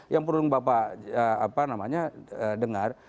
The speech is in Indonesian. yang perlu bapak dengar